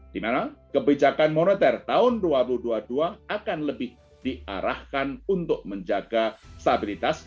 di mana kebijakan moneter tahun dua ribu dua puluh dua akan lebih diarahkan untuk menjaga stabilitas